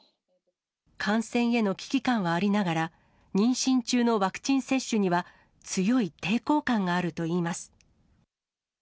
感染への危機感はありながら、妊娠中のワクチン接種には強い抵抗感があるといいます。